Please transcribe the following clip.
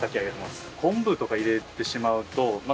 昆布とか入れてしまうと牡蠣